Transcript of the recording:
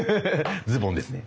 ズボンですね。